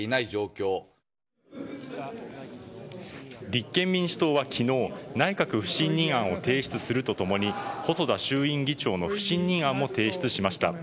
立憲民主党は昨日内閣不信任案を提出するとともに細田衆議院議長の不信任案も提出しました。